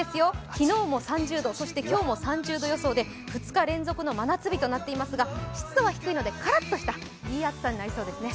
昨日も３０度、そして今日も３０度予想で２日連続の真夏日となっていますが湿度は低いのでからっとしたいい暑さになりそうですね。